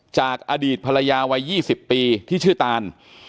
จากอดีตภรรยาวัย๒๐ปีที่ชื่อตาน